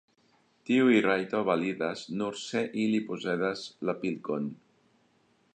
Tiu rajto validas, nur se ili posedas la pilkon.